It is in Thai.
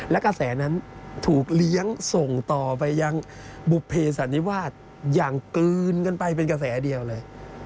และกระแสนั้นถูกเลี้ยงส่งต่อไปยังบุภเพสันนิวาสอย่างกลืนกันไปเป็นกระแสเดียวเลย